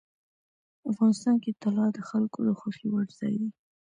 افغانستان کې طلا د خلکو د خوښې وړ ځای دی.